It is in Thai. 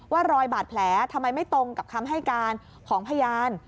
รอยบาดแผลทำไมไม่ตรงกับคำให้การของพยาน